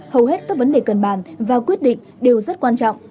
hầu hết các vấn đề cần bàn và quyết định đều rất quan trọng